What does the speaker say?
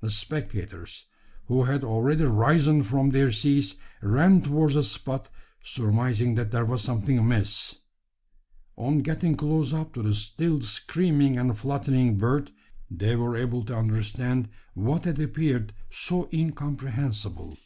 The spectators, who had already risen from their seats, ran towards the spot surmising that there was something amiss. On getting close up to the still screaming and fluttering bird, they were able to understand what had appeared so incomprehensible.